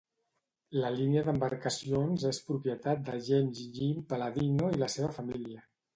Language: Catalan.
La línia d'embarcacions és propietat de James "Jim" Palladino i la seva família.